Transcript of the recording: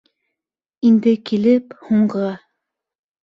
Инде килеп, һуңғы...